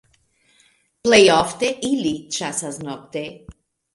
Plej ofte ili ĉasas nokte.